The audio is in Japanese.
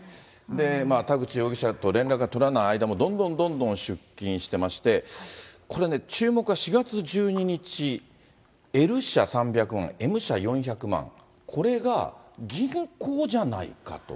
田口容疑者と連絡が取れない間も、どんどんどんどん出金してまして、これね、注目は４月１２日、Ｌ社３００万、Ｍ社４００万、これが銀行じゃないかと。